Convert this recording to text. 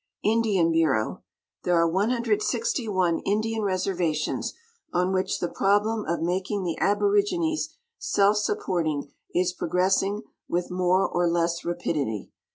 Indian Bureau. — There are 161 Indian reservations, on which the prob lem of making tbe ahiorigines self supporting is progressing with more or less rapidity.